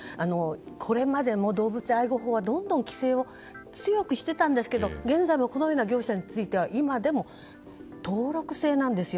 これまでも動物愛護法はどんどん規制を強くしていたんですがこのような業者については現在でも登録制なんですよ。